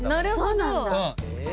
そうなんだ。